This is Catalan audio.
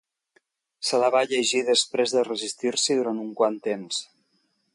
Se la va llegir després de resistir-s'hi durant un quant temps.